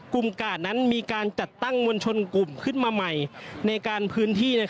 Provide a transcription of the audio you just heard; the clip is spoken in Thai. กาดนั้นมีการจัดตั้งมวลชนกลุ่มขึ้นมาใหม่ในการพื้นที่